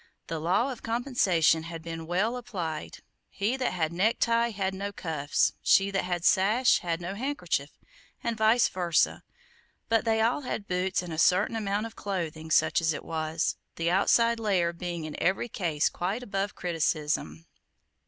The law of compensation had been well applied; he that had necktie had no cuffs; she that had sash had no handkerchief, and vice versa; but they all had boots and a certain amount of clothing, such as it was, the outside layer being in every case quite above criticism.